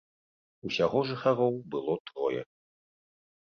Усяго жыхароў было трое.